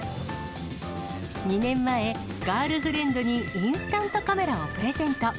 ２年前、ガールフレンドにインスタントカメラをプレゼント。